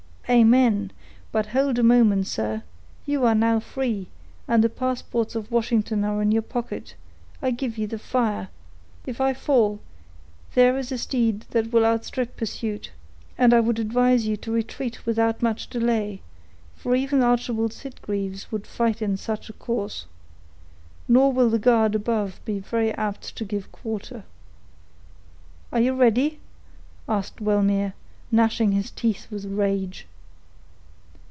"Amen! but hold a moment, sir. You are now free, and the passports of Washington are in your pocket; I give you the fire; if I fall, there is a steed that will outstrip pursuit; and I would advise you to retreat without much delay, for even Archibald Sitgreaves would fight in such a cause—nor will the guard above be very apt to give quarter." "Are you ready?" asked Wellmere, gnashing his teeth with rage.